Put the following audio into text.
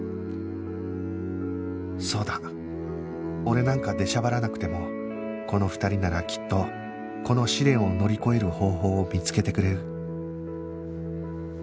そうだ俺なんか出しゃばらなくてもこの２人ならきっとこの試練を乗り越える方法を見つけてくれる